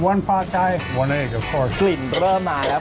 วันนี้๒เมโน้ววันนั่นผัดไทย๙๘